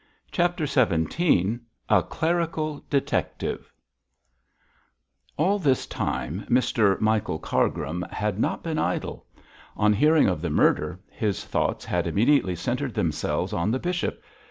CHAPTER XVII A CLERICAL DETECTIVE All this time Mr Michael Cargrim had not been idle. On hearing of the murder, his thoughts had immediately centred themselves on the bishop.